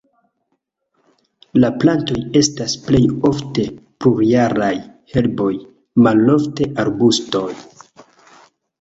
La plantoj estas plej ofte plurjaraj herboj, malofte arbustoj.